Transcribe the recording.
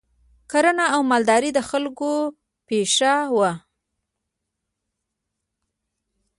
کرنه او مالداري د خلکو پیشه وه